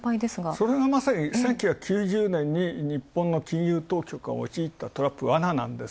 それがまさに１９９０年に日本の金融当局が陥ったトラップ、罠です。